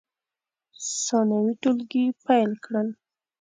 ثانوي ټولګي پیل کړل.